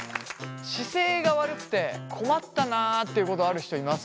姿勢が悪くて困ったなっていうことある人います？